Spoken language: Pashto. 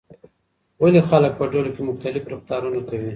ولې خلک په ډلو کې مختلف رفتارونه کوي؟